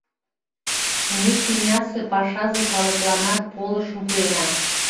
Ме тӱнясе пашазе калыкланат полышым пуэна.